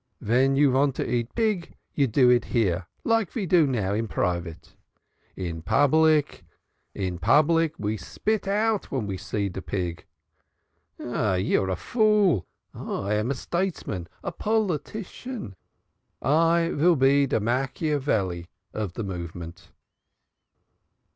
Ven you vant to eat pig, you do it here, like ve do now, in private. In public, ve spit out ven ve see pig. Ah, you are a fool man. I am a stadesman, a politician. I vill be de Machiavelli of de movement."